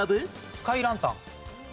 スカイランタン。